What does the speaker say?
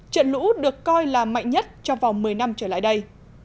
trận lũ được coi là mạnh nhất trong vòng một mươi năm trở lại đây